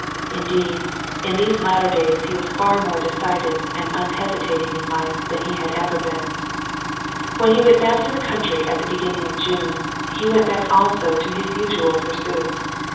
Indeed, in these latter days he was far more decided and unhesitating in life than he had ever been. When he went back to the country at the beginning of June, he went back also to his usual pursuits.